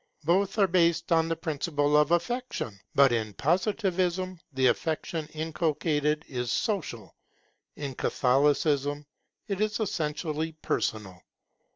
Both are based upon the principle of affection; but in Positivism the affection inculcated is social, in Catholicism it is essentially personal.